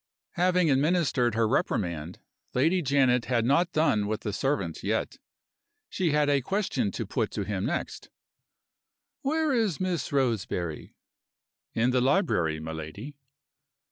Having administered her reprimand, Lady Janet had not done with the servant yet. She had a question to put to him next. "Where is Miss Roseberry?" "In the library, my lady."